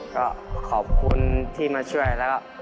ก็ขอบคุณที่มาช่วยแล้ว